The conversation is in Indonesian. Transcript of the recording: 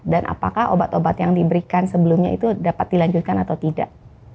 dan apakah obat obat yang diberikan sebelumnya itu dapat dilanjutkan atau tidak